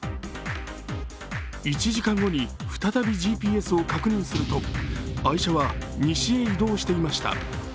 １時間後に再びＧＰＳを確認すると愛車は西へ移動していました。